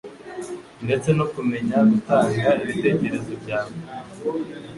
ndetse no kumenya gutanga ibitekerezo byawe